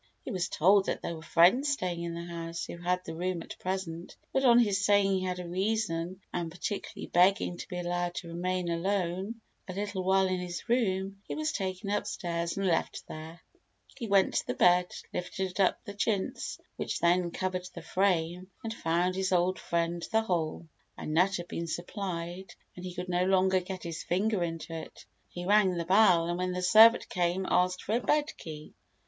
He was told that there were friends staying in the house who had the room at present, but, on his saying he had a reason and particularly begging to be allowed to remain alone a little while in this room, he was taken upstairs and left there. He went to the bed, lifted up the chintz which then covered the frame, and found his old friend the hole. A nut had been supplied and he could no longer get his finger into it. He rang the bell and when the servant came asked for a bed key.